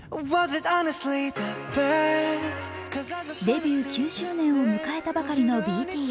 デビュー９周年を迎えたばかりのＢＴＳ。